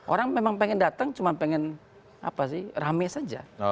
orang memang pengen datang cuma pengen rame saja